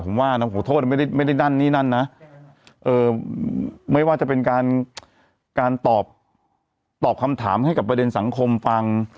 ผมว่านะขอโทษไม่ได้ไม่ได้นั่นนี่นั่นนะไม่ว่าจะเป็นการการตอบคำถามให้กับประเด็นสังคมฟัง